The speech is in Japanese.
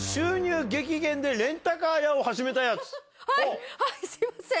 はいはいすいません。